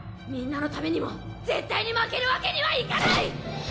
みんなのためにも絶対に負けるわけにはいかない！